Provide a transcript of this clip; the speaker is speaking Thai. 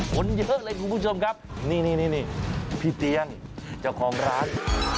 คนเยอะเลยคุณผู้ชมครับนี่พี่เตียงเจ้าของร้าน